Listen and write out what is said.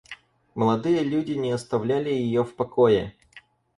Молодые люди не оставляли ее в покое.